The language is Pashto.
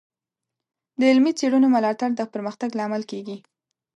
د علمي څیړنو ملاتړ د پرمختګ لامل کیږي.